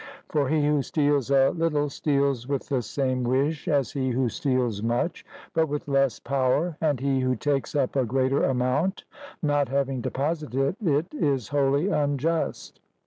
For he who steals a little steals with the same wish as he who steals much, but with less power, and he who takes up a greater amount, not having deposited it, is wholly unjust.